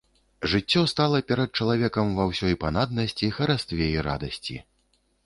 Жыццё стала перад чалавекам ва ўсёй панаднасці, харастве і радасці.